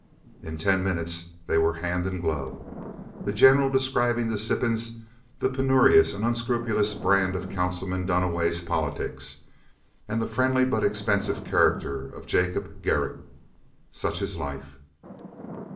In ten minutes they were hand in glove, the General describing to Sippens the penurious and unscrupulous brand of Councilman Duniway's politics and the friendly but expensive character of Jacob Gerecht. Such is life.